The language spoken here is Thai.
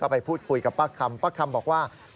ไปพูดคุยกับป้าคำป้าคำบอกว่า